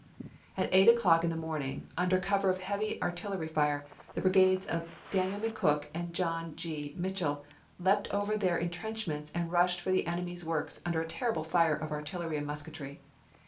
At eight o'clock in the morning, under cover of a heavy artillery fire, the brigades of Daniel McOook and John G. Mitch ell leaped over their intrenchments and rushed for the enemy's works under a terrible fire of artillery and musketry.